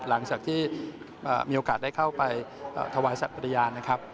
หลังจากที่มีโอกาสได้เข้าไปถวายศัตริยาน